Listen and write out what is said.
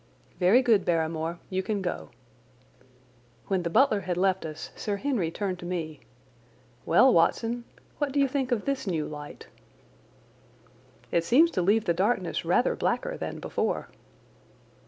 "Very good, Barrymore; you can go." When the butler had left us Sir Henry turned to me. "Well, Watson, what do you think of this new light?" "It seems to leave the darkness rather blacker than before."